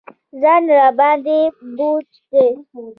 ځان راباندې بوج دی.